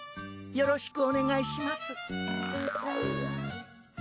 よろしくお願いします。